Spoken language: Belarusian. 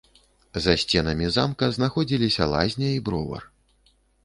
За сценамі замка знаходзіліся лазня і бровар.